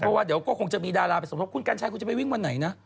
เพราะว่าเดี๋ยวก็คงจะมีดาราไปสมทบคุณกัญชัยคุณจะไปวิ่งวันไหนนะ